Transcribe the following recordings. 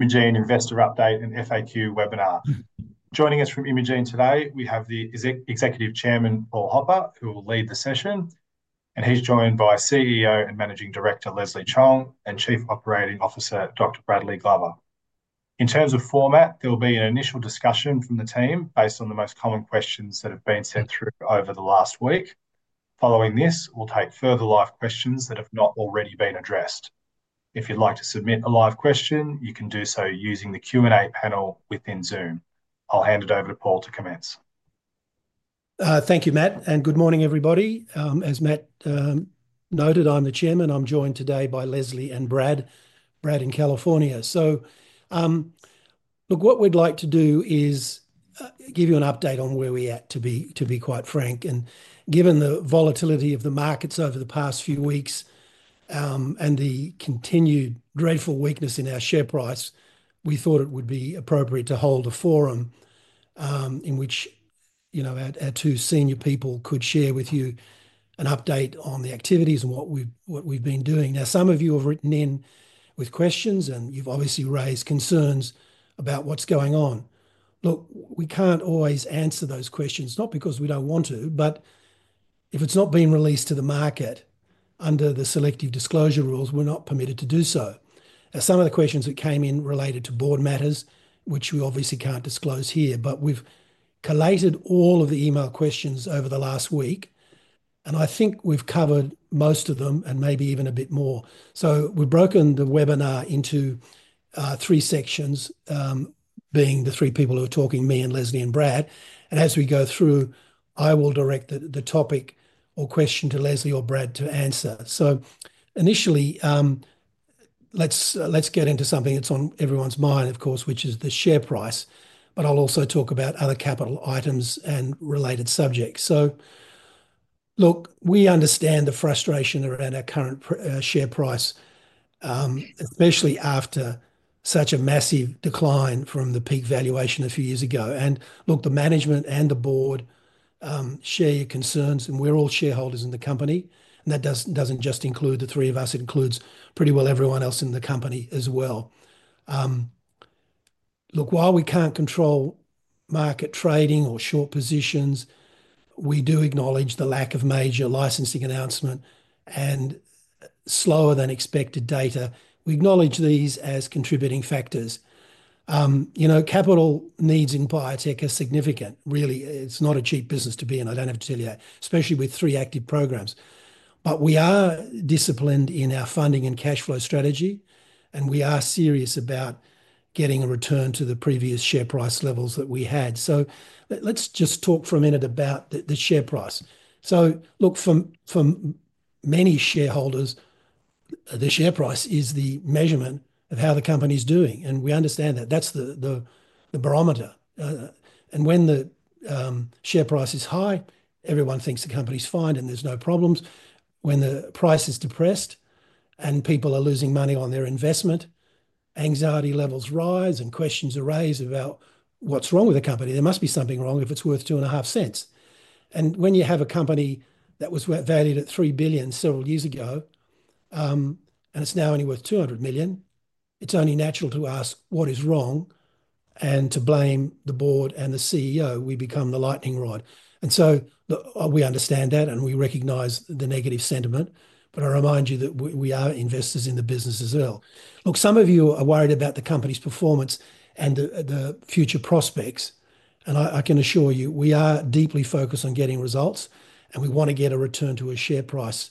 Imugene investor update and FAQ webinar. Joining us from Imugene today, we have the Executive Chairman, Paul Hopper, who will lead the session, and he's joined by CEO and Managing Director, Leslie Chong, and Chief Operating Officer, Dr. Bradley Glover. In terms of format, there will be an initial discussion from the team based on the most common questions that have been sent through over the last week. Following this, we'll take further live questions that have not already been addressed. If you'd like to submit a live question, you can do so using the Q&A panel within Zoom. I'll hand it over to Paul to commence. Thank you, Matt, and good morning, everybody. As Matt noted, I'm the Chairman. I'm joined today by Leslie and Brad, Brad in California. What we'd like to do is give you an update on where we're at, to be quite frank. Given the volatility of the markets over the past few weeks and the continued dreadful weakness in our share price, we thought it would be appropriate to hold a forum in which, you know, our two senior people could share with you an update on the activities and what we've been doing. Now, some of you have written in with questions, and you've obviously raised concerns about what's going on. Look, we can't always answer those questions, not because we don't want to, but if it's not been released to the market under the selective disclosure rules, we're not permitted to do so. Now, some of the questions that came in related to board matters, which we obviously can't disclose here, but we've collated all of the email questions over the last week, and I think we've covered most of them and maybe even a bit more. We have broken the webinar into three sections, being the three people who are talking, me and Leslie and Brad. As we go through, I will direct the topic or question to Leslie or Brad to answer. Initially, let's get into something that's on everyone's mind, of course, which is the share price. I'll also talk about other capital items and related subjects. We understand the frustration around our current share price, especially after such a massive decline from the peak valuation a few years ago. Look, the management and the board share your concerns, and we're all shareholders in the company, and that does not just include the three of us; it includes pretty well everyone else in the company as well. Look, while we cannot control market trading or short positions, we do acknowledge the lack of major licensing announcement and slower-than-expected data. We acknowledge these as contributing factors. You know, capital needs in biotech are significant, really. It is not a cheap business to be in, I do not have to tell you, especially with three active programs. We are disciplined in our funding and cash flow strategy, and we are serious about getting a return to the previous share price levels that we had. Let's just talk for a minute about the share price. Look, for many shareholders, the share price is the measurement of how the company's doing, and we understand that. That's the barometer. When the share price is high, everyone thinks the company's fine and there's no problems. When the price is depressed and people are losing money on their investment, anxiety levels rise and questions are raised about what's wrong with the company. There must be something wrong if it's worth 0.025. When you have a company that was valued at $3 billion several years ago and it's now only worth $200 million, it's only natural to ask what is wrong and to blame the board and the CEO. We become the lightning rod, and we understand that and we recognize the negative sentiment, but I remind you that we are investors in the business as well. Look, some of you are worried about the company's performance and the future prospects, and I can assure you we are deeply focused on getting results, and we want to get a return to a share price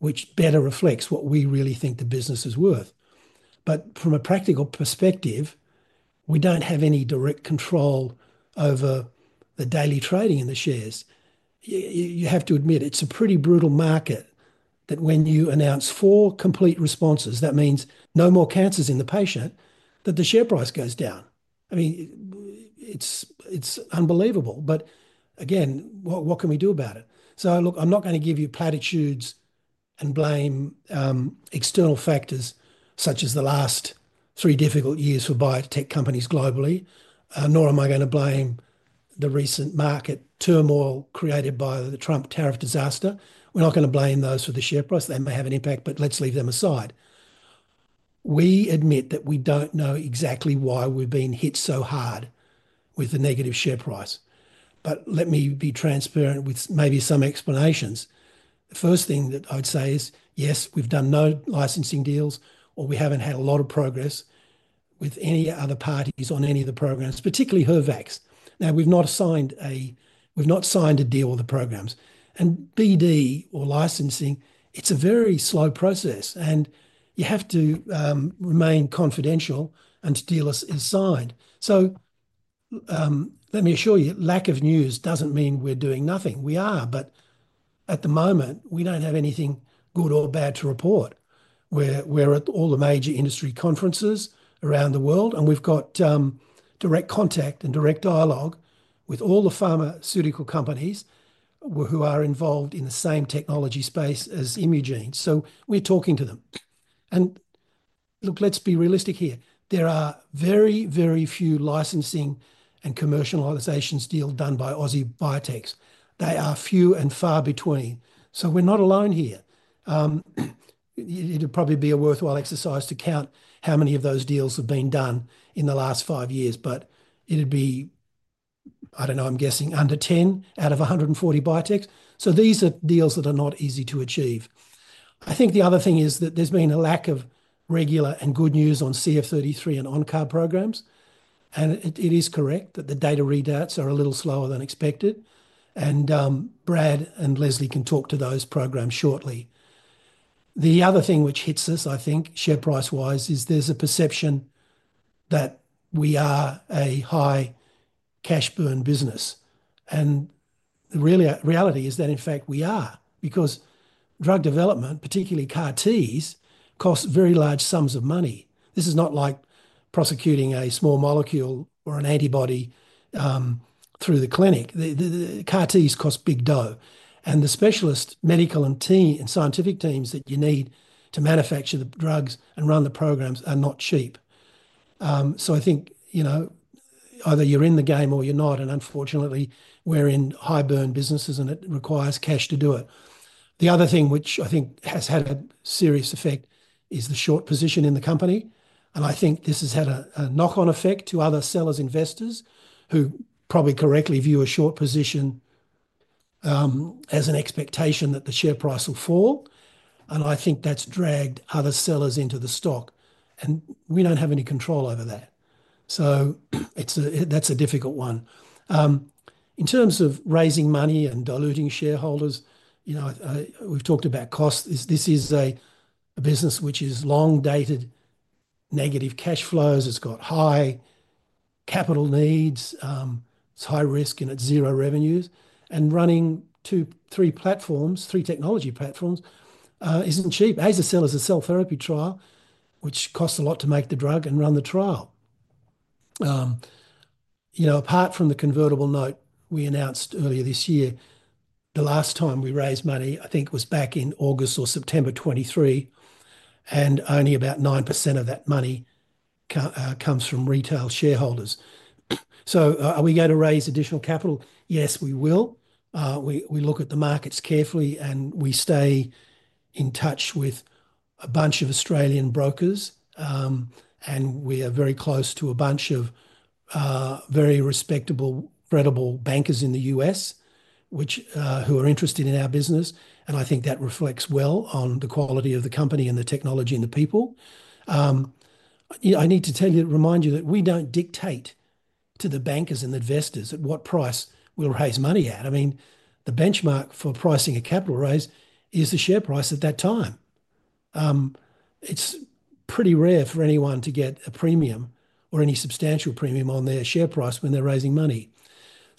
which better reflects what we really think the business is worth. From a practical perspective, we do not have any direct control over the daily trading in the shares. You have to admit it is a pretty brutal market that when you announce four complete responses, that means no more cancers in the patient, that the share price goes down. I mean, it is unbelievable, but again, what can we do about it? I am not going to give you platitudes and blame external factors such as the last three difficult years for biotech companies globally, nor am I going to blame the recent market turmoil created by the Trump tariff disaster. We're not going to blame those for the share price. They may have an impact, but let's leave them aside. We admit that we don't know exactly why we've been hit so hard with the negative share price, but let me be transparent with maybe some explanations. The first thing that I would say is, yes, we've done no licensing deals or we haven't had a lot of progress with any other parties on any of the programs, particularly HER-Vaxx. Now, we've not signed a deal with the programs, and BD or licensing, it's a very slow process, and you have to remain confidential until the deal is signed. Let me assure you, lack of news doesn't mean we're doing nothing. We are, but at the moment, we don't have anything good or bad to report. We're at all the major industry conferences around the world, and we've got direct contact and direct dialogue with all the pharmaceutical companies who are involved in the same technology space as Imugene. We're talking to them. Look, let's be realistic here. There are very, very few licensing and commercialization deals done by Aussie biotechs. They are few and far between. We're not alone here. It'd probably be a worthwhile exercise to count how many of those deals have been done in the last five years, but it'd be, I don't know, I'm guessing under 10 out of 140 biotechs. These are deals that are not easy to achieve. I think the other thing is that there's been a lack of regular and good news on CF33 and OnCAR programs, and it is correct that the data readouts are a little slower than expected, and Brad and Leslie can talk to those programs shortly. The other thing which hits us, I think, share price-wise, is there's a perception that we are a high-cash-burn business, and the reality is that, in fact, we are, because drug development, particularly CAR-Ts, costs very large sums of money. This is not like prosecuting a small molecule or an antibody through the clinic. CAR-Ts cost big dough, and the specialist medical and scientific teams that you need to manufacture the drugs and run the programs are not cheap. I think, you know, either you're in the game or you're not, and unfortunately, we're in high-burn businesses, and it requires cash to do it. The other thing which I think has had a serious effect is the short position in the company, and I think this has had a knock-on effect to other sellers and investors who probably correctly view a short position as an expectation that the share price will fall, and I think that's dragged other sellers into the stock, and we don't have any control over that. That's a difficult one. In terms of raising money and diluting shareholders, you know, we've talked about cost. This is a business which is long-dated negative cash flows. It's got high capital needs. It's high risk, and it's zero revenues, and running three technology platforms isn't cheap. Azer-cel is a cell therapy trial which costs a lot to make the drug and run the trial. You know, apart from the convertible note we announced earlier this year, the last time we raised money, I think, was back in August or September 2023, and only about 9% of that money comes from retail shareholders. Are we going to raise additional capital? Yes, we will. We look at the markets carefully, and we stay in touch with a bunch of Australian brokers, and we are very close to a bunch of very respectable, credible bankers in the U.S. who are interested in our business, and I think that reflects well on the quality of the company and the technology and the people. I need to remind you that we do not dictate to the bankers and investors at what price we will raise money at. I mean, the benchmark for pricing a capital raise is the share price at that time. It's pretty rare for anyone to get a premium or any substantial premium on their share price when they're raising money.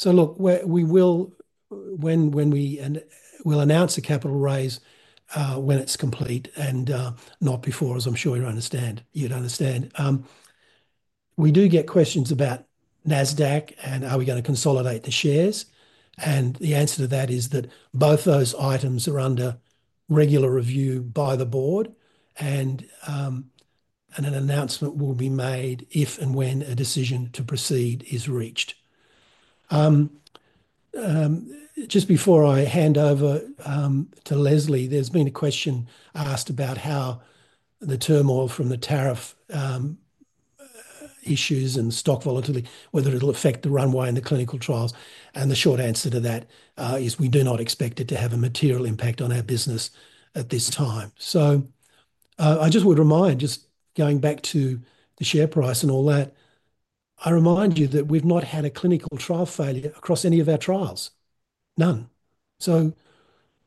Look, we will announce a capital raise when it's complete and not before, as I'm sure you'd understand. We do get questions about Nasdaq and are we going to consolidate the shares, and the answer to that is that both those items are under regular review by the board, and an announcement will be made if and when a decision to proceed is reached. Just before I hand over to Leslie, there's been a question asked about how the turmoil from the tariff issues and stock volatility, whether it'll affect the runway and the clinical trials, and the short answer to that is we do not expect it to have a material impact on our business at this time. I just would remind, just going back to the share price and all that, I remind you that we've not had a clinical trial failure across any of our trials. None.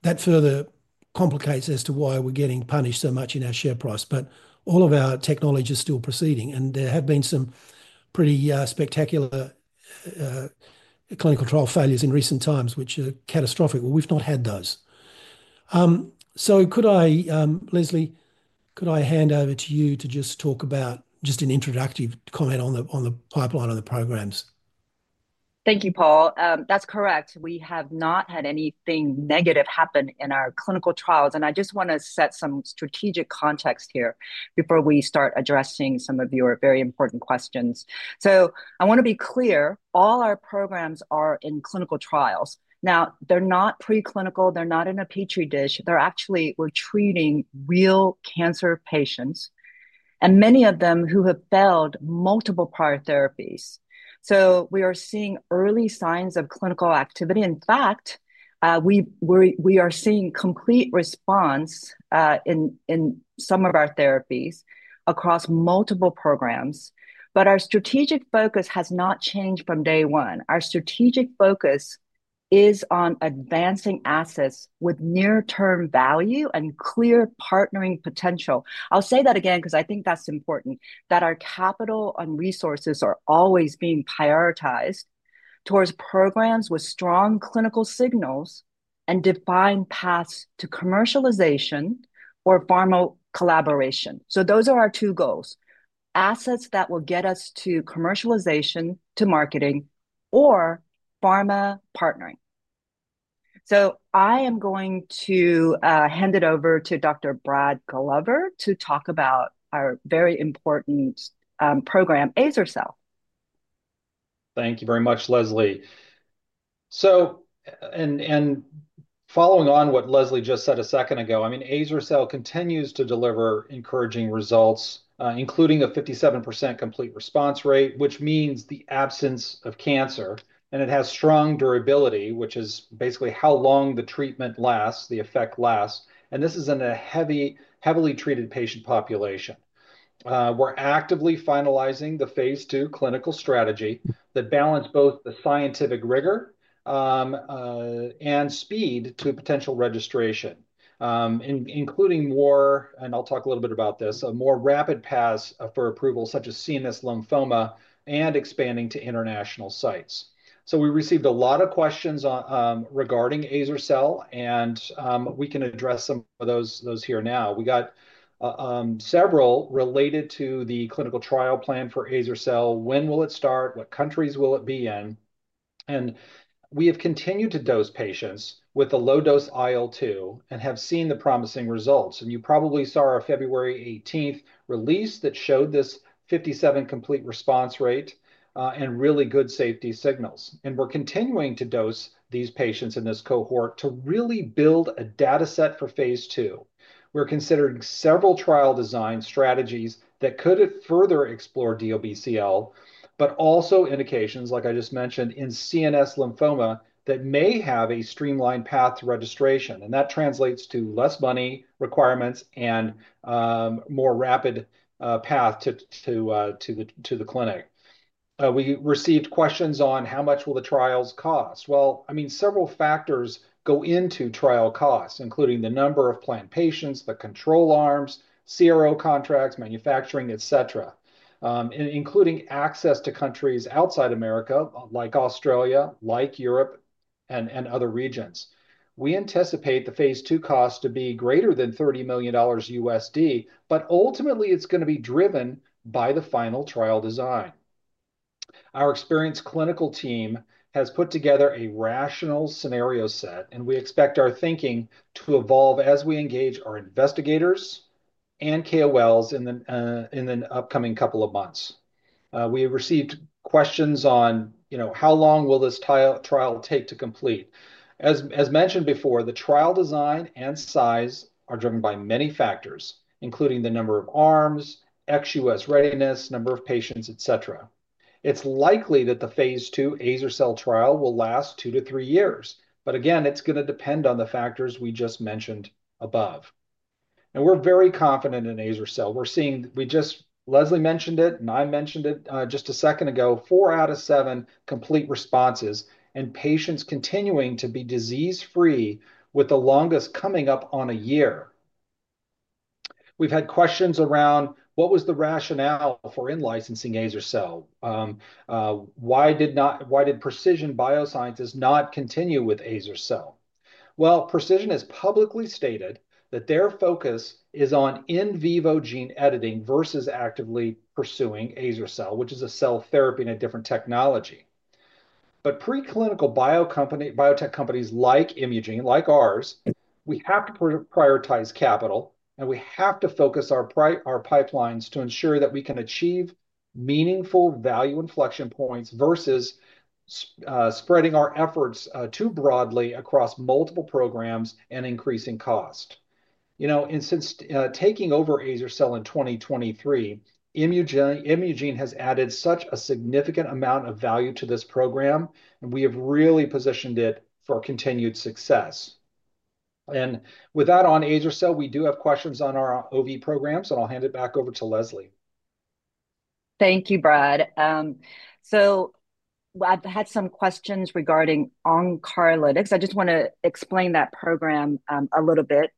That further complicates as to why we're getting punished so much in our share price, but all of our technology is still proceeding, and there have been some pretty spectacular clinical trial failures in recent times which are catastrophic. We've not had those. Could I, Leslie, could I hand over to you to just talk about just an introductory comment on the pipeline of the programs? Thank you, Paul. That's correct. We have not had anything negative happen in our clinical trials, and I just want to set some strategic context here before we start addressing some of your very important questions. I want to be clear, all our programs are in clinical trials. Now, they're not preclinical. They're not in a Petri dish. Actually, we're treating real cancer patients and many of them who have failed multiple prior therapies. We are seeing early signs of clinical activity. In fact, we are seeing complete response in some of our therapies across multiple programs, but our strategic focus has not changed from day one. Our strategic focus is on advancing assets with near-term value and clear partnering potential. I'll say that again because I think that's important, that our capital and resources are always being prioritized towards programs with strong clinical signals and defined paths to commercialization or pharma collaboration. Those are our two goals: assets that will get us to commercialization, to marketing, or pharma partnering. I am going to hand it over to Dr. Brad Glover to talk about our very important program, azer-cel. Thank you very much, Leslie. Following on what Leslie just said a second ago, I mean, azer-cel continues to deliver encouraging results, including a 57% complete response rate, which means the absence of cancer, and it has strong durability, which is basically how long the treatment lasts, the effect lasts, and this is in a heavily treated patient population. We're actively finalizing the phase II clinical strategy that balances both the scientific rigor and speed to potential registration, including more, and I'll talk a little bit about this, a more rapid path for approval such as CNS lymphoma and expanding to international sites. We received a lot of questions regarding azer-cel, and we can address some of those here now. We got several related to the clinical trial plan for azer-cel. When will it start? What countries will it be in? We have continued to dose patients with a low-dose IL-2 and have seen the promising results. You probably saw our February 18th release that showed this 57% complete response rate and really good safety signals. We are continuing to dose these patients in this cohort to really build a dataset for phase II. We are considering several trial design strategies that could further explore DLBCL, but also indications, like I just mentioned, in CNS lymphoma that may have a streamlined path to registration, and that translates to less money requirements and a more rapid path to the clinic. We received questions on how much will the trials cost. I mean, several factors go into trial costs, including the number of planned patients, the control arms, CRO contracts, manufacturing, etc., including access to countries outside America, like Australia, like Europe, and other regions. We anticipate the phase II costs to be greater than $30 million USD, but ultimately, it's going to be driven by the final trial design. Our experienced clinical team has put together a rational scenario set, and we expect our thinking to evolve as we engage our investigators and KOLs in the upcoming couple of months. We have received questions on, you know, how long will this trial take to complete? As mentioned before, the trial design and size are driven by many factors, including the number of arms, ex-U.S. readiness, number of patients, etc. It is likely that the phase II azer-cel trial will last two to three years, but again, it's going to depend on the factors we just mentioned above. We are very confident in azer-cel. We're seeing, we just, Leslie mentioned it, and I mentioned it just a second ago, four out of seven complete responses and patients continuing to be disease-free with the longest coming up on a year. We've had questions around what was the rationale for in-licensing azer-cel? Why did Precision BioSciences not continue with azer-cel? Precision has publicly stated that their focus is on in vivo gene editing versus actively pursuing azer-cel, which is a cell therapy and a different technology. Preclinical biotech companies like Imugene, like ours, we have to prioritize capital, and we have to focus our pipelines to ensure that we can achieve meaningful value inflection points versus spreading our efforts too broadly across multiple programs and increasing cost. You know, since taking over azer-cel in 2023, Imugene has added such a significant amount of value to this program, and we have really positioned it for continued success. With that on azer-cel, we do have questions on our OV programs, and I'll hand it back over to Leslie. Thank you, Brad. I've had some questions regarding OnCARlytics. I just want to explain that program a little bit.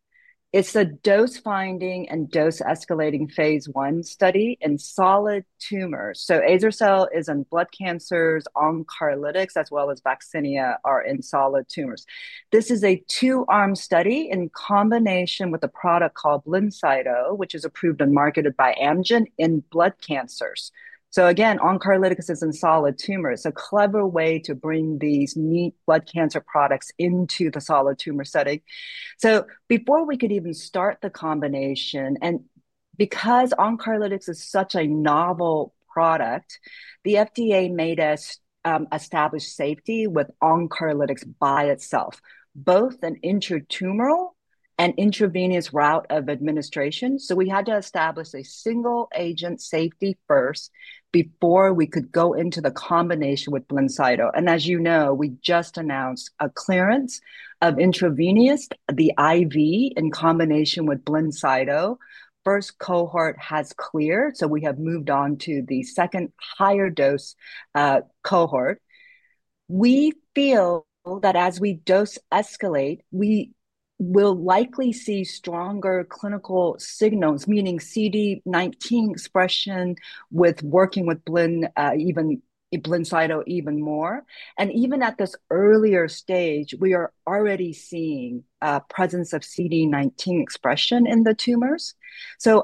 It's a dose-finding and dose-escalating phase I study in solid tumors. azer-cel is in blood cancers, OnCARlytics, as well as VAXINIA, are in solid tumors. This is a two-arm study in combination with a product called Blincyto, which is approved and marketed by Amgen in blood cancers. OnCARlytics is in solid tumors. It's a clever way to bring these neat blood cancer products into the solid tumor setting. Before we could even start the combination, and because OnCARlytics is such a novel product, the FDA made us establish safety with OnCARlytics by itself, both an intratumoral and intravenous route of administration. We had to establish single-agent safety first before we could go into the combination with Blincyto. As you know, we just announced a clearance of intravenous, the IV, in combination with Blincyto. The first cohort has cleared, so we have moved on to the second higher dose cohort. We feel that as we dose-escalate, we will likely see stronger clinical signals, meaning CD19 expression with working with Blincyto even more. Even at this earlier stage, we are already seeing presence of CD19 expression in the tumors.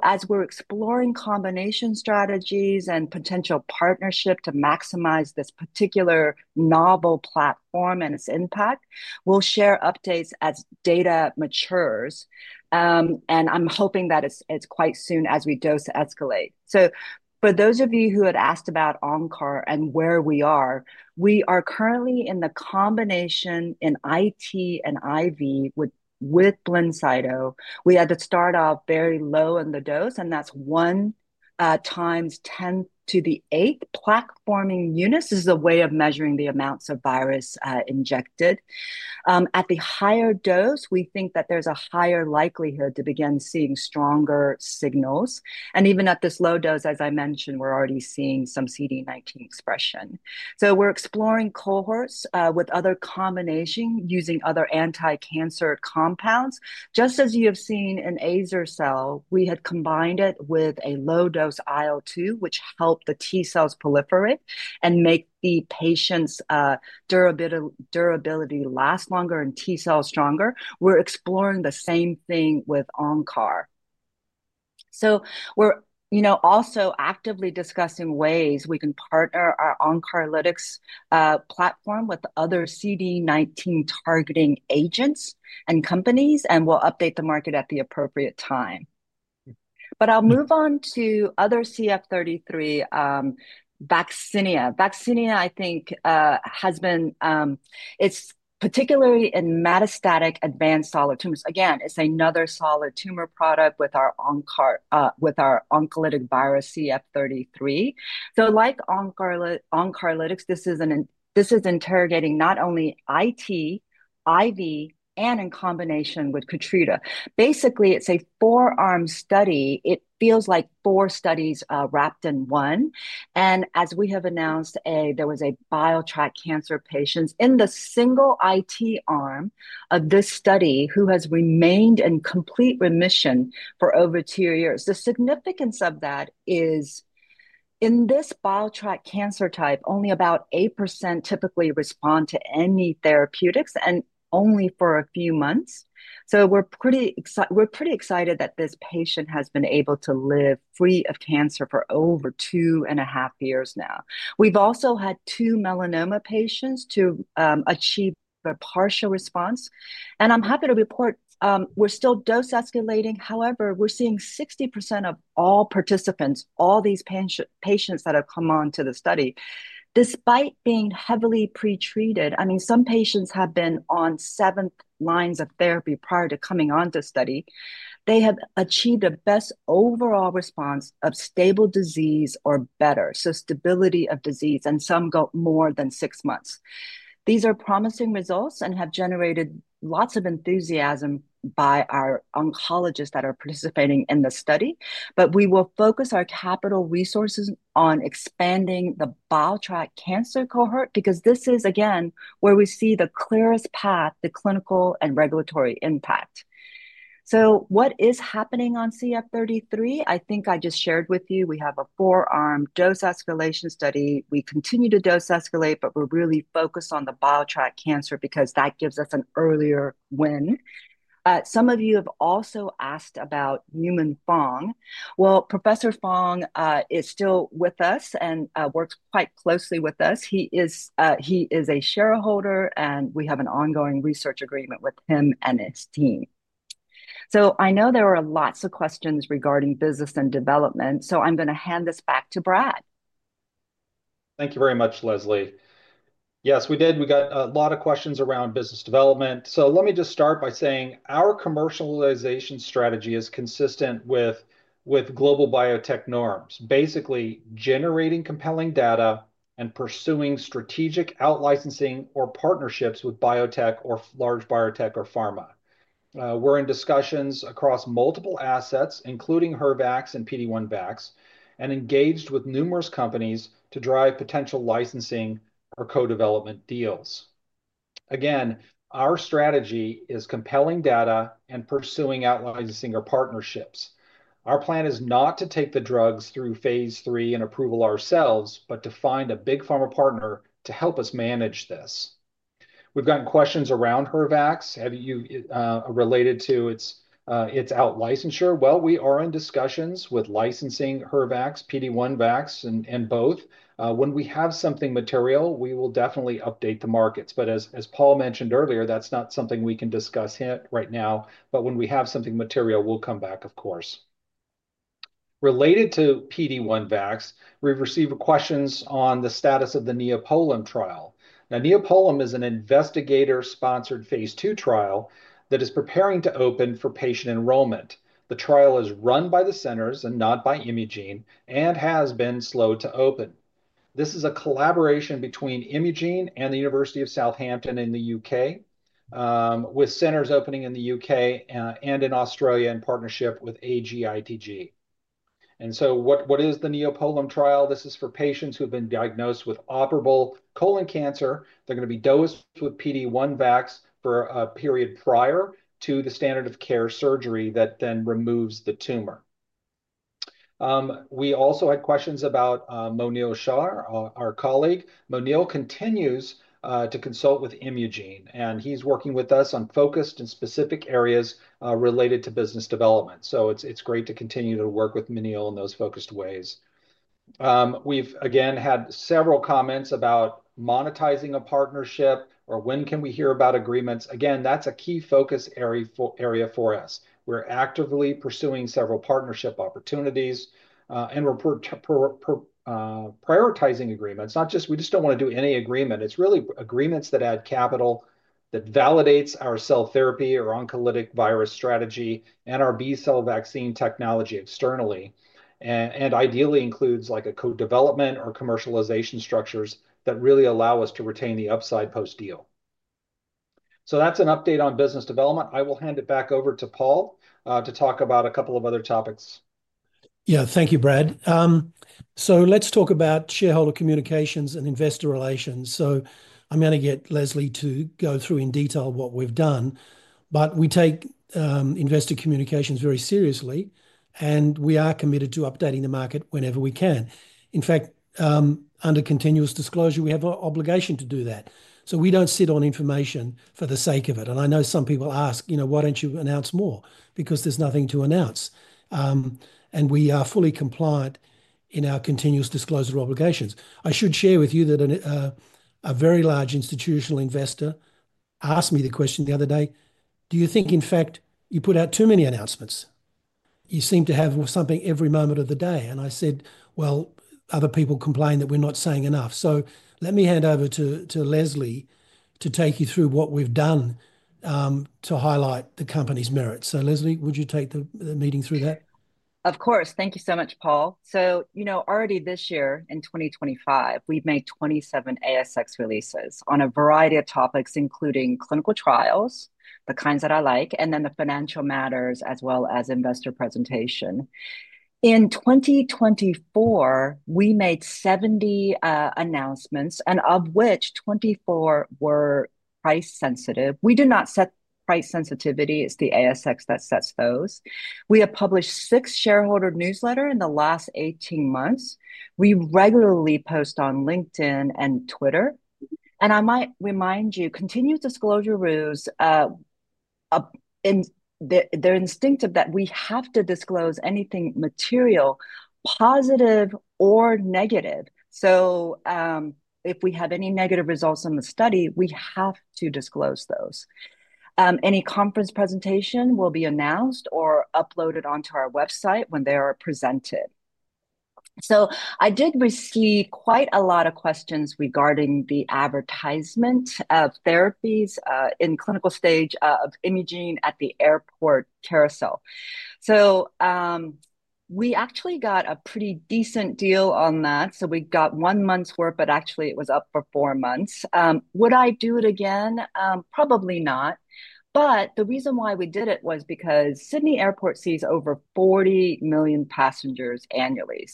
As we are exploring combination strategies and potential partnership to maximize this particular novel platform and its impact, we will share updates as data matures. I am hoping that it is quite soon as we dose-escalate. For those of you who had asked about OnCAR and where we are, we are currently in the combination in IT and IV with Blincyto. We had to start off very low in the dose, and that's one times 10 to the eighth plaque-forming units is the way of measuring the amounts of virus injected. At the higher dose, we think that there's a higher likelihood to begin seeing stronger signals. Even at this low dose, as I mentioned, we're already seeing some CD19 expression. We're exploring cohorts with other combinations using other anti-cancer compounds. Just as you have seen in azer-cel, we had combined it with a low-dose IL-2, which helped the T cells proliferate and make the patient's durability last longer and T cells stronger. We're exploring the same thing with OnCAR. We're, you know, also actively discussing ways we can partner our OnCARlytics platform with other CD19 targeting agents and companies, and we'll update the market at the appropriate time. I'll move on to other CF33, VAXINIA. VAXINIA, I think, has been, it's particularly in metastatic advanced solid tumors. Again, it's another solid tumor product with our OnCAR, with our OnCARlytic virus CF33. Like OnCARlytics, this is interrogating not only IT, IV, and in combination with KEYTRUDA. Basically, it's a four-arm study. It feels like four studies wrapped in one. As we have announced, there was a biliary tract cancer patient in the single IT arm of this study who has remained in complete remission for over two years. The significance of that is in this biliary tract cancer type, only about 8% typically respond to any therapeutics and only for a few months. We are pretty excited that this patient has been able to live free of cancer for over two and a half years now. We have also had two melanoma patients achieve a partial response. I'm happy to report we're still dose-escalating. However, we're seeing 60% of all participants, all these patients that have come on to the study, despite being heavily pretreated, I mean, some patients have been on seventh lines of therapy prior to coming on to study. They have achieved the best overall response of stable disease or better, so stability of disease, and some go more than six months. These are promising results and have generated lots of enthusiasm by our oncologists that are participating in the study. We will focus our capital resources on expanding the biliary tract cancer cohort because this is, again, where we see the clearest path, the clinical and regulatory impact. What is happening on CF33? I think I just shared with you we have a four-arm dose-escalation study. We continue to dose-escalate, but we're really focused on the biliary tract cancer because that gives us an earlier win. Some of you have also asked about Yuman Fong. Professor Fong is still with us and works quite closely with us. He is a shareholder, and we have an ongoing research agreement with him and his team. I know there are lots of questions regarding business and development, so I'm going to hand this back to Brad. Thank you very much, Leslie. Yes, we did. We got a lot of questions around business development. Let me just start by saying our commercialization strategy is consistent with global biotech norms, basically generating compelling data and pursuing strategic out-licensing or partnerships with biotech or large biotech or pharma. We are in discussions across multiple assets, including HER-Vaxx and PD1-Vaxx, and engaged with numerous companies to drive potential licensing or co-development deals. Again, our strategy is compelling data and pursuing out-licensing or partnerships. Our plan is not to take the drugs through phase III and approval ourselves, but to find a big pharma partner to help us manage this. We have gotten questions around HER-Vaxx related to its out-licensure. We are in discussions with licensing HER-Vaxx, PD1-Vaxx, and both. When we have something material, we will definitely update the markets. As Paul mentioned earlier, that's not something we can discuss right now. When we have something material, we'll come back, of course. Related to PD1-Vaxx, we've received questions on the status of the Neo-POLEM trial. Neo-POLEM is an investigator-sponsored phase II trial that is preparing to open for patient enrollment. The trial is run by the centers and not by Imugene and has been slow to open. This is a collaboration between Imugene and the University of Southampton in the U.K., with centers opening in the U.K. and in Australia in partnership with AGITG. What is the Neo-POLEM trial? This is for patients who have been diagnosed with operable colon cancer. They're going to be dosed with PD1-Vaxx for a period prior to the standard of care surgery that then removes the tumor. We also had questions about Monil Shah, our colleague. Monil continues to consult with Imugene, and he's working with us on focused and specific areas related to business development. It's great to continue to work with Monil in those focused ways. We've, again, had several comments about monetizing a partnership or when can we hear about agreements. Again, that's a key focus area for us. We're actively pursuing several partnership opportunities and we're prioritizing agreements. We just don't want to do any agreement. It's really agreements that add capital that validates our cell therapy or oncolytic virus strategy and our B cell vaccine technology externally, and ideally includes like a co-development or commercialization structures that really allow us to retain the upside post-deal. That's an update on business development. I will hand it back over to Paul to talk about a couple of other topics. Yeah, thank you, Brad. Let's talk about shareholder communications and investor relations. I'm going to get Leslie to go through in detail what we've done. We take investor communications very seriously, and we are committed to updating the market whenever we can. In fact, under continuous disclosure, we have an obligation to do that. We don't sit on information for the sake of it. I know some people ask, you know, why don't you announce more? Because there's nothing to announce. We are fully compliant in our continuous disclosure obligations. I should share with you that a very large institutional investor asked me the question the other day, do you think, in fact, you put out too many announcements? You seem to have something every moment of the day. I said, well, other people complain that we're not saying enough. Let me hand over to Leslie to take you through what we've done to highlight the company's merits. Leslie, would you take the meeting through that? Of course. Thank you so much, Paul. You know, already this year in 2025, we've made 27 ASX releases on a variety of topics, including clinical trials, the kinds that I like, and then the financial matters, as well as investor presentation. In 2024, we made 70 announcements, and of which 24 were price sensitive. We do not set price sensitivity. It's the ASX that sets those. We have published six shareholder newsletters in the last 18 months. We regularly post on LinkedIn and Twitter. I might remind you, continuous disclosure rules, they're instinctive that we have to disclose anything material, positive or negative. If we have any negative results in the study, we have to disclose those. Any conference presentation will be announced or uploaded onto our website when they are presented. I did receive quite a lot of questions regarding the advertisement of therapies in clinical stage of Imugene at the airport carousel. We actually got a pretty decent deal on that. We got one month's worth, but actually it was up for four months. Would I do it again? Probably not. The reason why we did it was because Sydney Airport sees over 40 million passengers annually.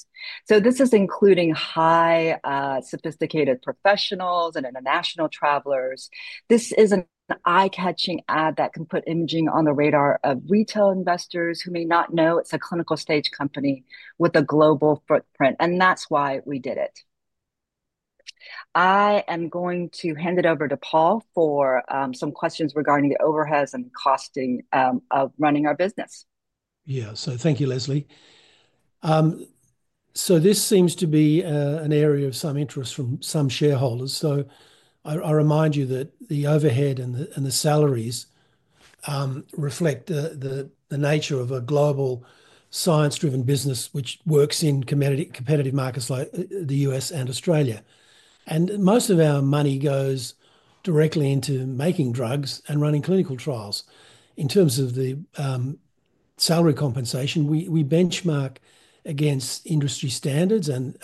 This is including high sophisticated professionals and international travelers. This is an eye-catching ad that can put Imugene on the radar of retail investors who may not know it's a clinical stage company with a global footprint. That's why we did it. I am going to hand it over to Paul for some questions regarding the overheads and the costing of running our business. Yeah, so thank you, Leslie. This seems to be an area of some interest from some shareholders. I remind you that the overhead and the salaries reflect the nature of a global science-driven business, which works in competitive markets like the U.S. and Australia. Most of our money goes directly into making drugs and running clinical trials. In terms of the salary compensation, we benchmark against industry standards, and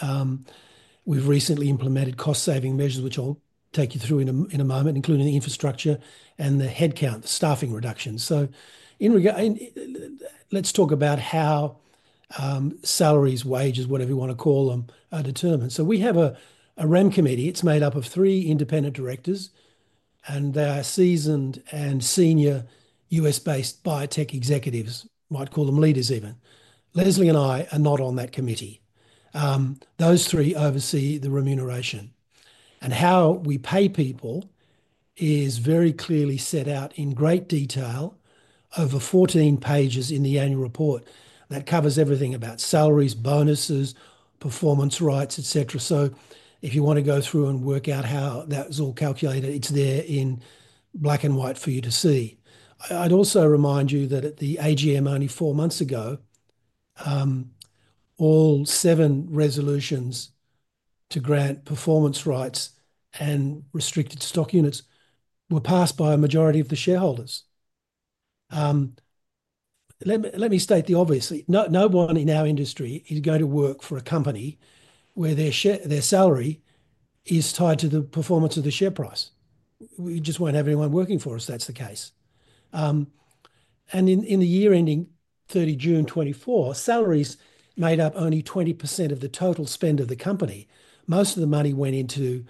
we've recently implemented cost-saving measures, which I'll take you through in a moment, including the infrastructure and the headcount, the staffing reductions. Let's talk about how salaries, wages, whatever you want to call them, are determined. We have a REM committee. It's made up of three independent directors, and they are seasoned and senior U.S.-based biotech executives, might call them leaders even. Leslie and I are not on that committee. Those three oversee the remuneration. How we pay people is very clearly set out in great detail over 14 pages in the annual report that covers everything about salaries, bonuses, performance rights, etc. If you want to go through and work out how that's all calculated, it's there in black and white for you to see. I'd also remind you that at the AGM only four months ago, all seven resolutions to grant performance rights and restricted stock units were passed by a majority of the shareholders. Let me state the obvious. No one in our industry is going to work for a company where their salary is tied to the performance of the share price. We just won't have anyone working for us if that's the case. In the year ending 30 June 2024, salaries made up only 20% of the total spend of the company. Most of the money went into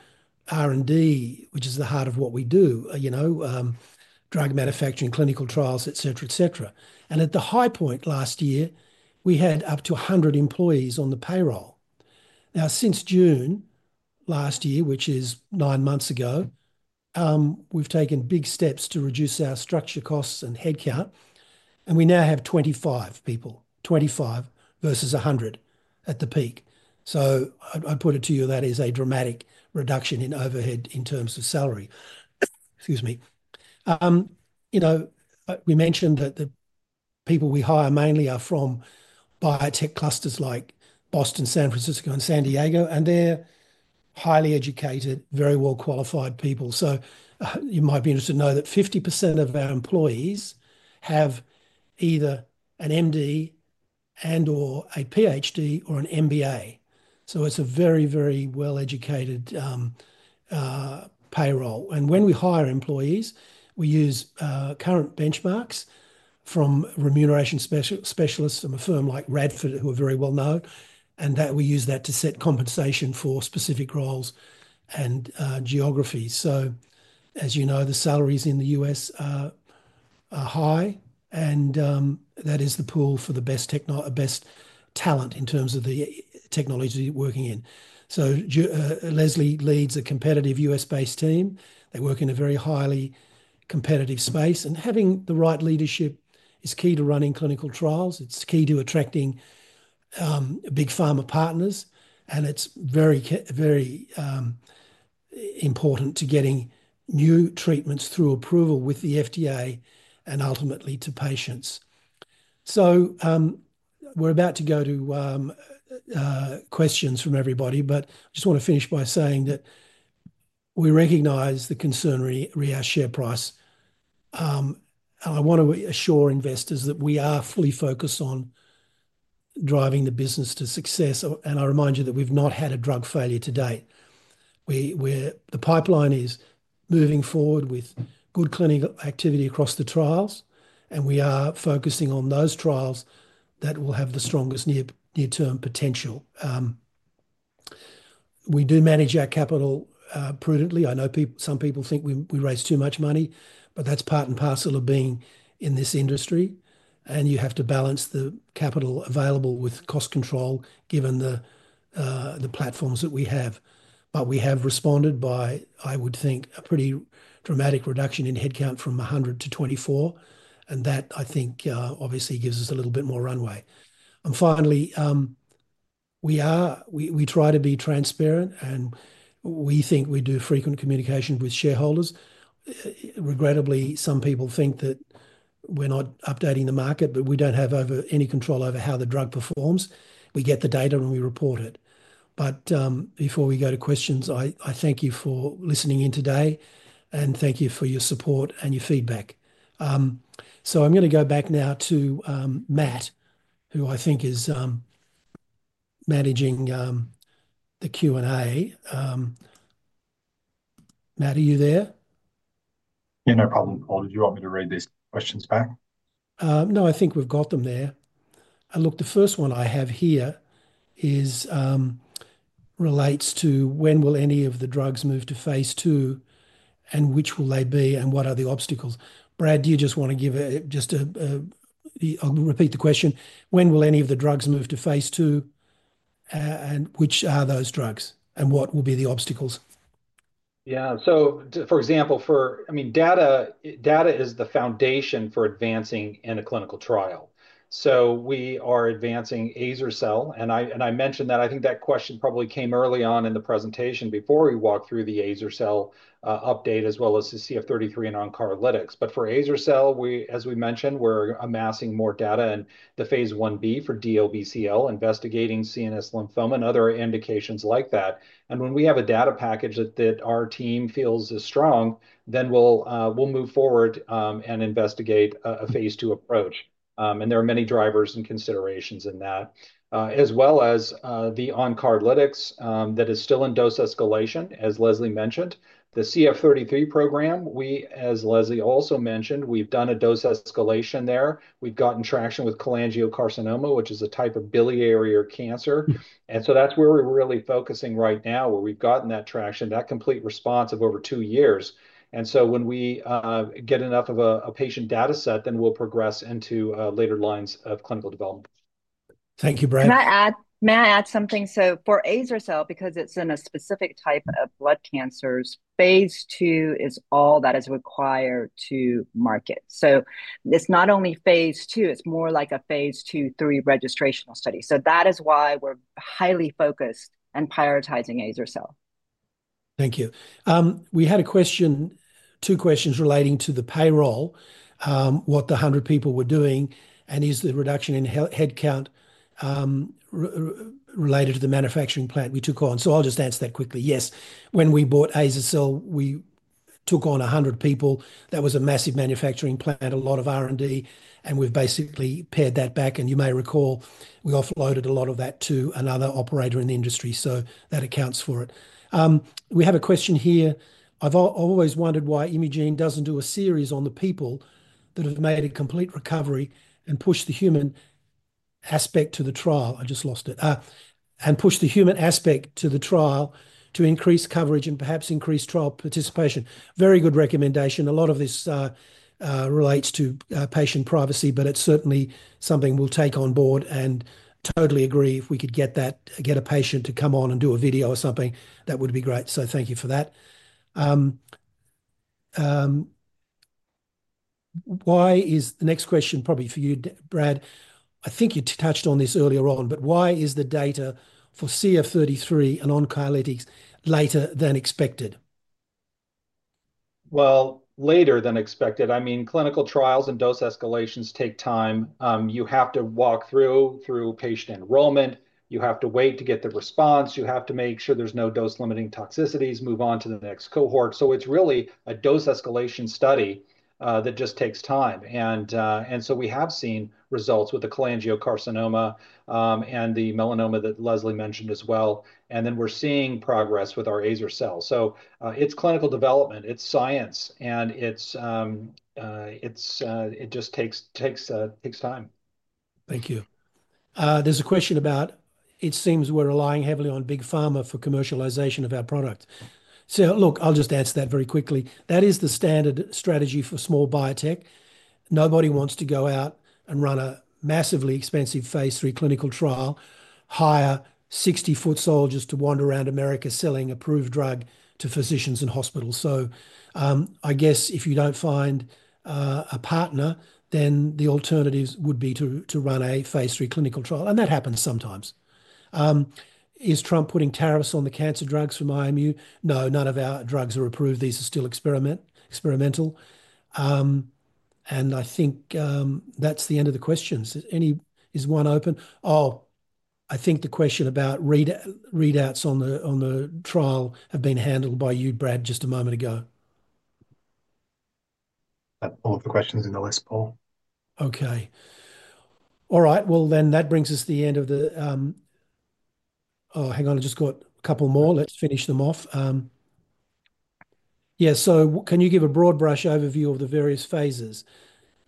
R&D, which is the heart of what we do, you know, drug manufacturing, clinical trials, etc., etc. At the high point last year, we had up to 100 employees on the payroll. Now, since June last year, which is nine months ago, we've taken big steps to reduce our structure costs and headcount. We now have 25 people, 25 versus 100 at the peak. I put it to you, that is a dramatic reduction in overhead in terms of salary. Excuse me. You know, we mentioned that the people we hire mainly are from biotech clusters like Boston, San Francisco, and San Diego, and they're highly educated, very well-qualified people. You might be interested to know that 50% of our employees have either an MD and/or a PhD or an MBA. It is a very, very well-educated payroll. When we hire employees, we use current benchmarks from remuneration specialists from a firm like Radford, who are very well-known, and we use that to set compensation for specific roles and geographies. As you know, the salaries in the US are high, and that is the pool for the best talent in terms of the technology we are working in. Leslie leads a competitive US-based team. They work in a very highly competitive space. Having the right leadership is key to running clinical trials. It is key to attracting big pharma partners. It is very, very important to getting new treatments through approval with the FDA and ultimately to patients. We are about to go to questions from everybody, but I just want to finish by saying that we recognize the concern really around share price. I want to assure investors that we are fully focused on driving the business to success. I remind you that we've not had a drug failure to date. The pipeline is moving forward with good clinical activity across the trials, and we are focusing on those trials that will have the strongest near-term potential. We do manage our capital prudently. I know some people think we raise too much money, but that's part and parcel of being in this industry. You have to balance the capital available with cost control, given the platforms that we have. We have responded by, I would think, a pretty dramatic reduction in headcount from 100 to 24. That, I think, obviously gives us a little bit more runway. Finally, we try to be transparent, and we think we do frequent communication with shareholders. Regrettably, some people think that we're not updating the market, but we don't have any control over how the drug performs. We get the data and we report it. Before we go to questions, I thank you for listening in today, and thank you for your support and your feedback. I am going to go back now to Matt, who I think is managing the Q&A. Matt, are you there? Yeah, no problem. Paul, did you want me to read these questions back? No, I think we've got them there. Look, the first one I have here relates to when will any of the drugs move to phase II, and which will they be, and what are the obstacles? Brad, do you just want to give just a—I’ll repeat the question. When will any of the drugs move to phase II, and which are those drugs, and what will be the obstacles? Yeah. For example, data is the foundation for advancing in a clinical trial. We are advancing azer-cel. I mentioned that. I think that question probably came early on in the presentation before we walked through the azer-cel update, as well as the CF33 and OnCARlytics. For azer-cel, as we mentioned, we're amassing more data in the phase 1-B for DLBCL, investigating CNS lymphoma and other indications like that. When we have a data package that our team feels is strong, then we'll move forward and investigate a phase II approach. There are many drivers and considerations in that, as well as the OnCARlytics that is still in dose escalation, as Leslie mentioned. The CF33 program, as Leslie also mentioned, we've done a dose escalation there. We've gotten traction with cholangiocarcinoma, which is a type of biliary cancer. That's where we're really focusing right now, where we've gotten that traction, that complete response of over two years. When we get enough of a patient data set, then we'll progress into later lines of clinical development. Thank you, Brad. Can I add—may I add something? For azer-cel, because it's in a specific type of blood cancers, phase II is all that is required to market. It's not only phase II, it's more like a phase II, III registrational study. That is why we're highly focused and prioritizing azer-cel. Thank you. We had a question, two questions relating to the payroll, what the 100 people were doing, and is the reduction in headcount related to the manufacturing plant we took on? I'll just answer that quickly. Yes. When we bought azer-cel, we took on 100 people. That was a massive manufacturing plant, a lot of R&D, and we've basically pared that back. You may recall we offloaded a lot of that to another operator in the industry. That accounts for it. We have a question here. I've always wondered why Imugene doesn't do a series on the people that have made a complete recovery and pushed the human aspect to the trial. I just lost it. And pushed the human aspect to the trial to increase coverage and perhaps increase trial participation. Very good recommendation. A lot of this relates to patient privacy, but it's certainly something we'll take on board. I totally agree. If we could get a patient to come on and do a video or something, that would be great. Thank you for that. Why is the next question probably for you, Brad? I think you touched on this earlier on, but why is the data for CF33 and OnCARlytics later than expected? Later than expected. I mean, clinical trials and dose escalations take time. You have to walk through patient enrollment. You have to wait to get the response. You have to make sure there's no dose-limiting toxicities, move on to the next cohort. It is really a dose escalation study that just takes time. We have seen results with the cholangiocarcinoma and the melanoma that Leslie mentioned as well. We are seeing progress with our azer-cel. It is clinical development. It is science. It just takes time. Thank you. There's a question about, it seems we're relying heavily on Big Pharma for commercialization of our product. Look, I'll just answer that very quickly. That is the standard strategy for small biotech. Nobody wants to go out and run a massively expensive phase III clinical trial, hire 60-foot soldiers to wander around America selling approved drug to physicians and hospitals. I guess if you don't find a partner, then the alternatives would be to run a phase III clinical trial. That happens sometimes. Is Trump putting tariffs on the cancer drugs from Imugene? No, none of our drugs are approved. These are still experimental. I think that's the end of the questions. Is one open? I think the question about readouts on the trial have been handled by you, Brad, just a moment ago. That's all the questions in the list, Paul. Okay. All right. That brings us to the end of the—oh, hang on. I just got a couple more. Let's finish them off. Yeah. Can you give a broad brush overview of the various phases?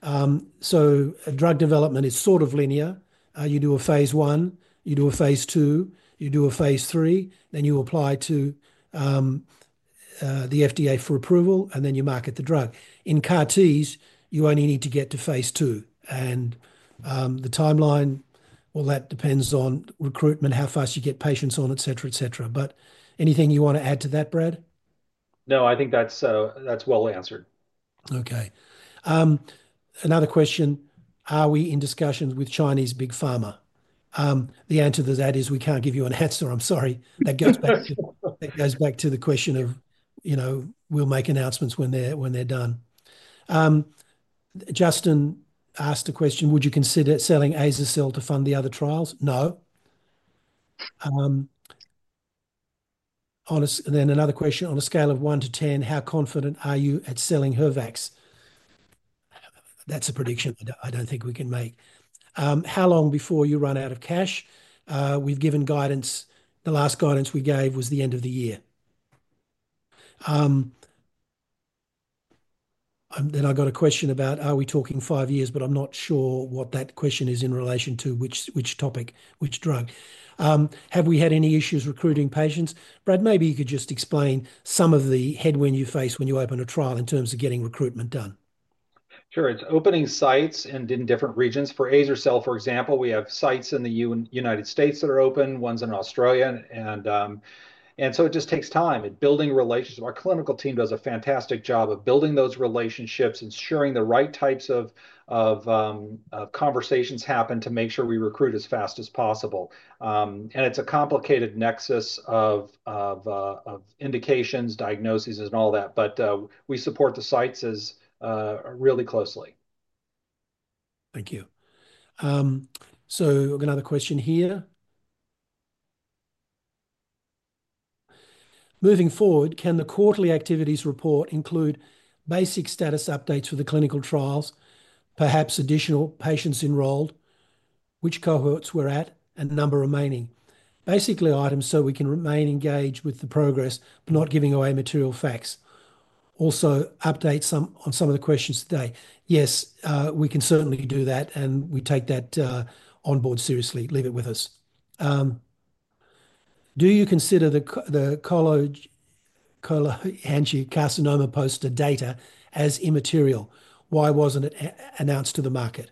Drug development is sort of linear. You do a phase I, you do a phase2, you do a phase 3, then you apply to the FDA for approval, and then you market the drug. In CAR-Ts, you only need to get to phase III. The timeline, that depends on recruitment, how fast you get patients on, etc., etc. Anything you want to add to that, Brad? No, I think that's well answered. Okay. Another question. Are we in discussions with Chinese Big Pharma? The answer to that is we can't give you an answer. I'm sorry. That goes back to the question of, you know, we'll make announcements when they're done. Justin asked a question. Would you consider selling azer-cel to fund the other trials? No. And then another question. On a scale of 1 to 10, how confident are you at selling Her-Vaxx? That's a prediction I don't think we can make. How long before you run out of cash? We've given guidance. The last guidance we gave was the end of the year. I got a question about, are we talking five years, but I'm not sure what that question is in relation to which topic, which drug. Have we had any issues recruiting patients? Brad, maybe you could just explain some of the headwind you face when you open a trial in terms of getting recruitment done. Sure. It's opening sites in different regions. For azer-cel, for example, we have sites in the United States that are open, ones in Australia. It just takes time. Building relationships, our clinical team does a fantastic job of building those relationships, ensuring the right types of conversations happen to make sure we recruit as fast as possible. It's a complicated nexus of indications, diagnoses, and all that. We support the sites really closely. Thank you. We have another question here. Moving forward, can the quarterly activities report include basic status updates for the clinical trials, perhaps additional patients enrolled, which cohorts we are at, and number remaining? Basically, items so we can remain engaged with the progress, not giving away material facts. Also, update on some of the questions today. Yes, we can certainly do that, and we take that on board seriously. Leave it with us. Do you consider the cholangiocarcinoma poster data as immaterial? Why was it not announced to the market?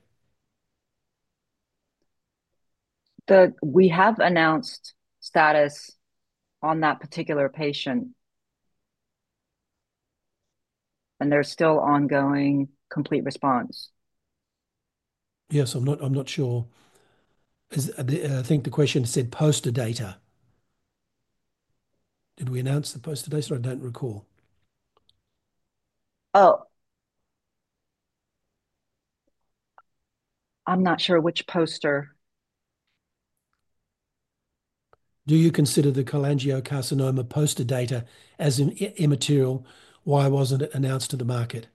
We have announced status on that particular patient, and there's still ongoing complete response. Yes, I'm not sure. I think the question said poster data. Did we announce the poster data, or I don't recall? Oh, I'm not sure which poster. Do you consider the cholangiocarcinoma poster data as immaterial? Why wasn't it announced to the market?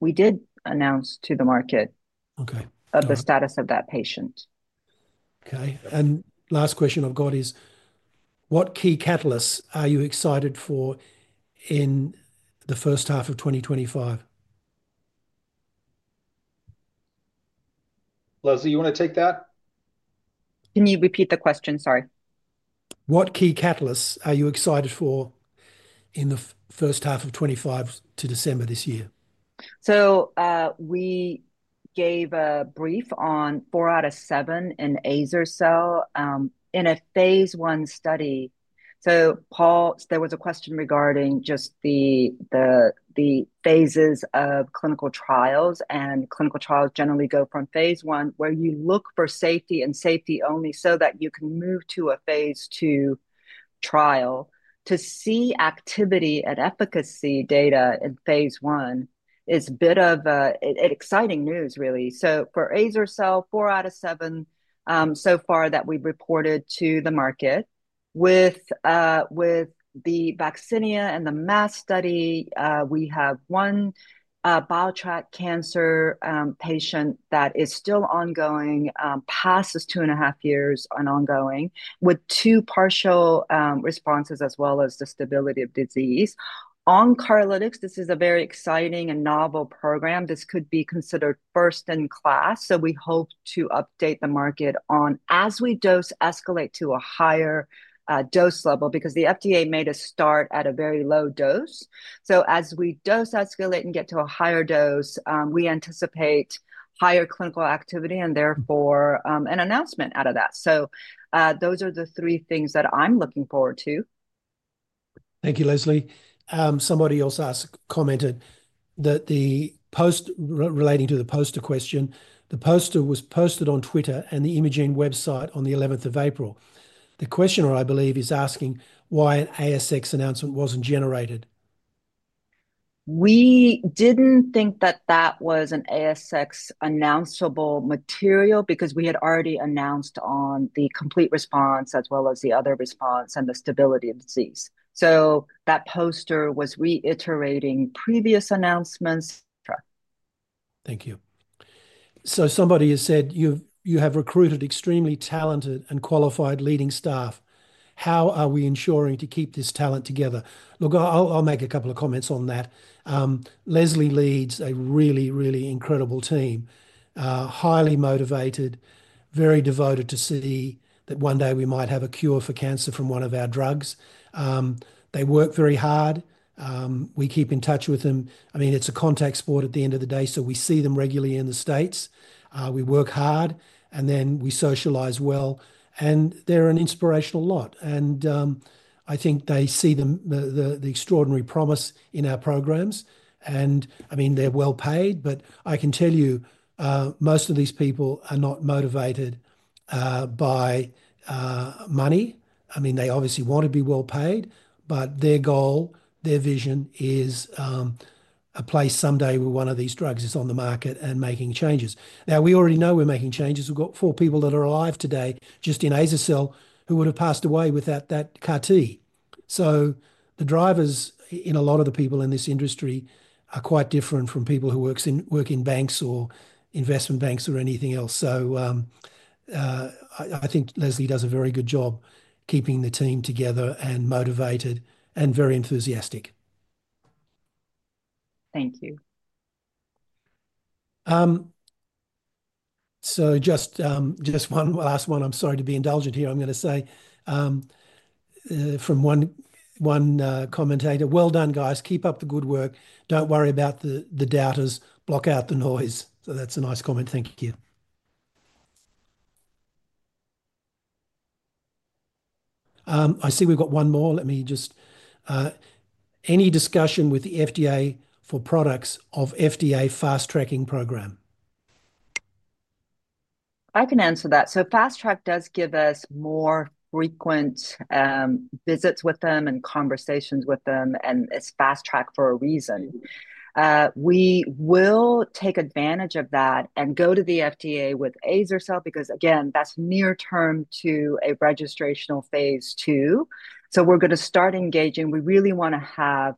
We did announce to the market of the status of that patient. Okay. Last question I've got is, what key catalysts are you excited for in the first half of 2025? Leslie, you want to take that? Can you repeat the question? Sorry. What key catalysts are you excited for in the first half of 2025 to December this year? We gave a brief on four out of seven in azer-cel in a phase I study. Paul, there was a question regarding just the phases of clinical trials. Clinical trials generally go from phase I, where you look for safety and safety only so that you can move to a phase II trial. To see activity and efficacy data in phase I is a bit of exciting news, really. For azer-cel, four out of seven so far that we've reported to the market. With the VAXINIA and the MAST study, we have one biliary tract cancer patient that is still ongoing, past two and a half years and ongoing, with two partial responses as well as the stability of disease. OnCARlytics, this is a very exciting and novel program. This could be considered first in class. We hope to update the market on as we dose escalate to a higher dose level because the FDA made a start at a very low dose. As we dose escalate and get to a higher dose, we anticipate higher clinical activity and therefore an announcement out of that. Those are the three things that I'm looking forward to. Thank you, Leslie. Somebody else commented that relating to the poster question, the poster was posted on Twitter and the Imugene website on the 11th of April. The questioner, I believe, is asking why an ASX announcement wasn't generated. We didn't think that that was an ASX announceable material because we had already announced on the complete response as well as the other response and the stability of disease. That poster was reiterating previous announcements. Thank you. Somebody has said, "You have recruited extremely talented and qualified leading staff. How are we ensuring to keep this talent together?" Look, I'll make a couple of comments on that. Leslie leads a really, really incredible team, highly motivated, very devoted to see that one day we might have a cure for cancer from one of our drugs. They work very hard. We keep in touch with them. I mean, it's a contact sport at the end of the day. We see them regularly in the states. We work hard, and then we socialize well. They're an inspirational lot. I think they see the extraordinary promise in our programs. I mean, they're well paid. I can tell you, most of these people are not motivated by money. I mean, they obviously want to be well paid, but their goal, their vision is a place someday where one of these drugs is on the market and making changes. Now, we already know we're making changes. We've got four people that are alive today just in azer-cel who would have passed away without that CAR-T. The drivers in a lot of the people in this industry are quite different from people who work in banks or investment banks or anything else. I think Leslie does a very good job keeping the team together and motivated and very enthusiastic. Thank you. Just one last one. I'm sorry to be indulgent here. I'm going to say from one commentator, "Well done, guys. Keep up the good work. Don't worry about the doubters. Block out the noise." That's a nice comment. Thank you. I see we've got one more. Let me just—any discussion with the FDA for products of FDA fast-tracking program? I can answer that. Fast-track does give us more frequent visits with them and conversations with them, and it's fast-track for a reason. We will take advantage of that and go to the FDA with azer-cel because, again, that's near term to a registrational phase two. We're going to start engaging. We really want to have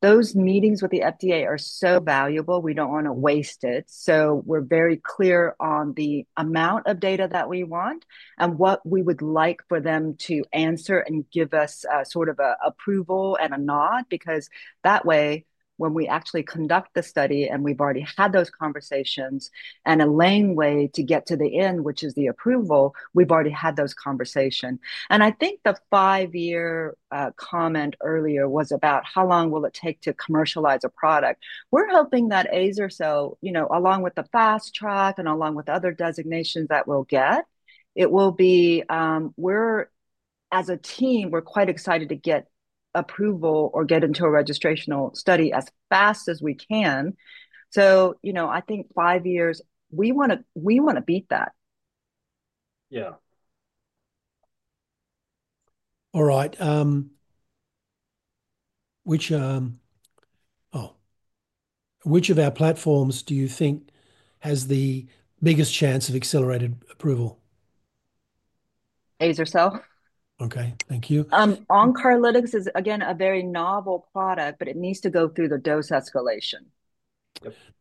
those meetings with the FDA, they are so valuable. We don't want to waste it. We're very clear on the amount of data that we want and what we would like for them to answer and give us sort of an approval and a nod because that way, when we actually conduct the study and we've already had those conversations and a lame way to get to the end, which is the approval, we've already had those conversations. I think the five-year comment earlier was about how long will it take to commercialize a product. We're hoping that Azercel, along with the fast-track and along with other designations that we'll get, it will be—as a team, we're quite excited to get approval or get into a registrational study as fast as we can. I think five years, we want to beat that. Yeah. All right. Which of our platforms do you think has the biggest chance of accelerated approval? Azer-cel? Okay. Thank you. OnCARlytics is, again, a very novel product, but it needs to go through the dose escalation.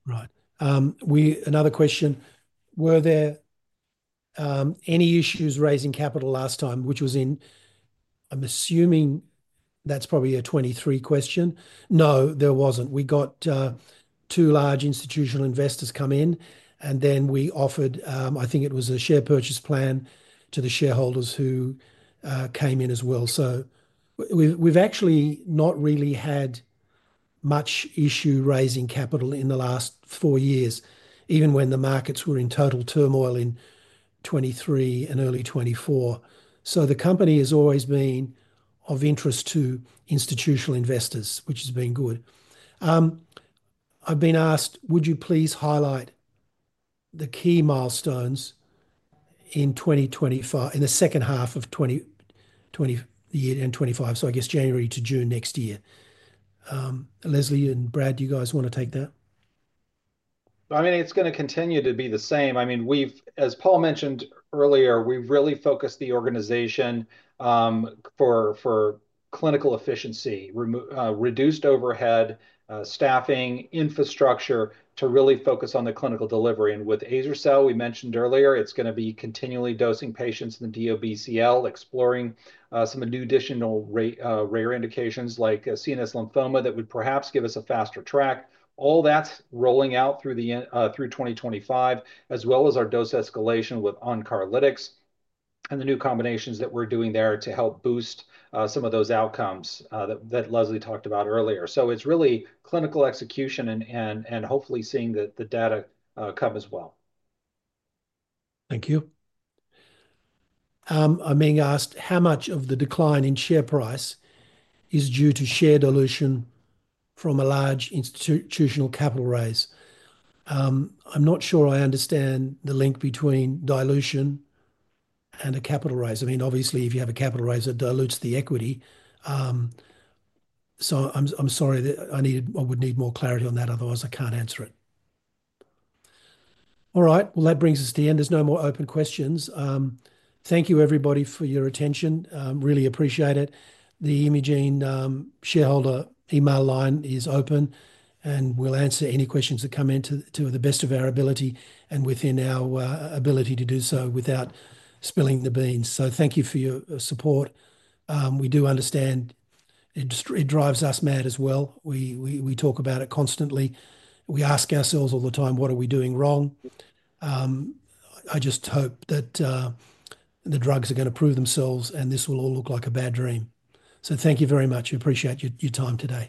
Right. Another question. Were there any issues raising capital last time, which was in—I am assuming that is probably a 2023 question. No, there was not. We got two large institutional investors come in, and then we offered—I think it was a share purchase plan to the shareholders who came in as well. We have actually not really had much issue raising capital in the last four years, even when the markets were in total turmoil in 2023 and early 2024. The company has always been of interest to institutional investors, which has been good. I have been asked, "Would you please highlight the key milestones in the second half of 2023 and 2024?" I guess January to June next year. Leslie and Brad, do you guys want to take that? I mean, it's going to continue to be the same. I mean, as Paul mentioned earlier, we've really focused the organization for clinical efficiency, reduced overhead, staffing, infrastructure to really focus on the clinical delivery. And with azer-cel, we mentioned earlier, it's going to be continually dosing patients in the DLBCL, exploring some additional rare indications like CNS lymphoma that would perhaps give us a faster track. All that's rolling out through 2025, as well as our dose escalation with OnCARlytics and the new combinations that we're doing there to help boost some of those outcomes that Leslie talked about earlier. It's really clinical execution and hopefully seeing the data come as well. Thank you. I'm being asked how much of the decline in share price is due to share dilution from a large institutional capital raise. I'm not sure I understand the link between dilution and a capital raise. I mean, obviously, if you have a capital raise, it dilutes the equity. I'm sorry that I would need more clarity on that. Otherwise, I can't answer it. All right. That brings us to the end. There's no more open questions. Thank you, everybody, for your attention. Really appreciate it. The Imugene shareholder email line is open, and we'll answer any questions that come in to the best of our ability and within our ability to do so without spilling the beans. Thank you for your support. We do understand it drives us mad as well. We talk about it constantly. We ask ourselves all the time, "What are we doing wrong?" I just hope that the drugs are going to prove themselves, and this will all look like a bad dream. Thank you very much. We appreciate your time today.